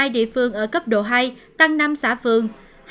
một trăm ba mươi hai địa phương ở cấp độ hai tăng năm xã phường